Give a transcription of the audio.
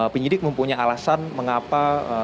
penyidik mempunyai alasan mengapa